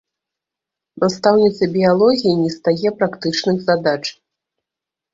Настаўніцы біялогіі не стае практычных задач.